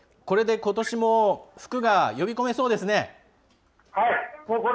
これでことしも福が呼び込めそうですね。